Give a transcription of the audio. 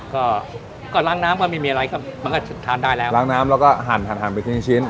ก็ก็ล้างน้ำก็ไม่มีอะไรก็มันก็ทานได้แล้วล้างน้ำแล้วก็หั่นไปชิ้นชิ้น